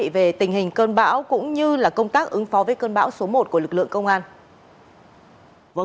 về tình hình cơn bão cũng như công tác ứng phó với cơn bão số một của lực lượng công an